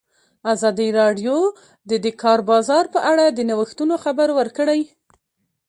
ازادي راډیو د د کار بازار په اړه د نوښتونو خبر ورکړی.